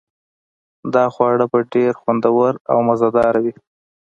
دا خواړه به ډیر خوندور او مزه دار وي